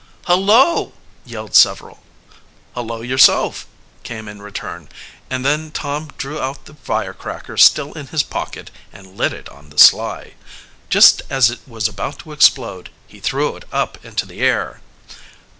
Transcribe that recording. "Hullo!" yelled several. "Hullo yourself!" came in return, and then Tom drew out the firecracker still in his pocket and lit it on the sly. Just as it was about to explode he threw it up into the air.